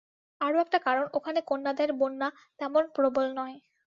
আরো একটা কারণ, ওখানে কন্যাদায়ের বন্যা তেমন প্রবল নয়।